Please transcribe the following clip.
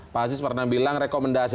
pak aziz pernah bilang rekomendasi